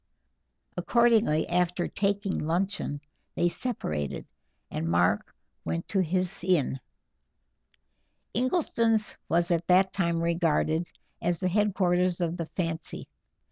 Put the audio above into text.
Accordingly, after taking luncheon, they separated, and Mark went to his inn. Ingleston's was at that time regarded as the headquarters of the fancy.